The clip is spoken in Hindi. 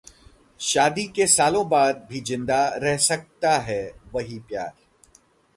शादी के सालों बाद भी जिंदा रह सकता है 'वही प्यार'...